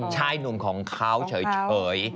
ชายหนุ่มของเขาเฉย